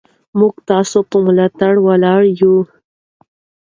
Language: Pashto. موږ ستاسو په ملاتړ ولاړ یو.